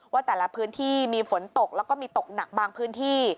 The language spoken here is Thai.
ว่าแต่ละพื้นที่มีฝนตกแล้วก็มีตกหนักบางพื้นที่